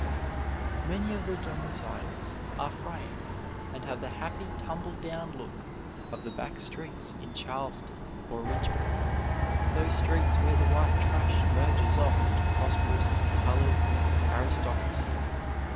Many of the domiciles are frame and have the happy tumbledown look of the back streets in Charleston or Richmond those streets where the white trash merges off into prosperous colored aristocracy.